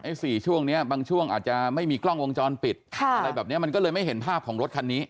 สี่ช่วงนี้บางช่วงอาจจะไม่มีกล้องวงจรปิดอะไรแบบนี้มันก็เลยไม่เห็นภาพของรถคันนี้